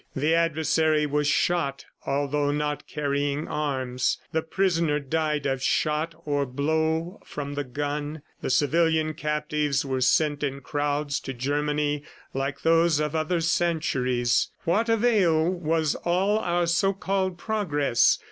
The adversary was shot although not carrying arms; the prisoner died of shot or blow from the gun; the civilian captives were sent in crowds to Germany like those of other centuries. Of what avail was all our so called Progress?